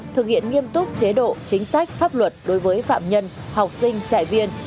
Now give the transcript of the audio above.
thực hiện nghiêm túc chế độ chính sách pháp luật đối với phạm nhân học sinh trại viên